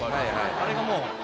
あれがもう。